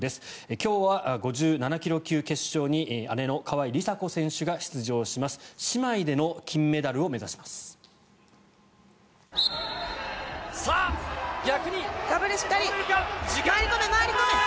今日は５７ｋｇ級決勝に姉の川井梨紗子選手が出場します。